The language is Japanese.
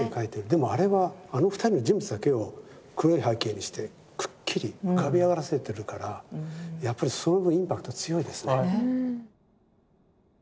でもあれはあの２人の人物だけを黒い背景にしてくっきり浮かび上がらせてるからやっぱりその分インパクト強いですね。